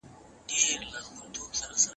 زه اوس مهال د خپلو پیغامونو وضعیت څارم.